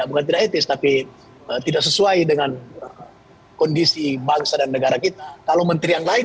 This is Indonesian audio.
bukan tidak etis tapi tidak sesuai dengan kondisi bangsa dan negara kita kalau menteri yang lain